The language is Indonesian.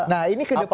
nah ini kedepan